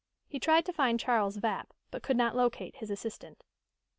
He tried to find Charles Vapp, but could not locate his assistant.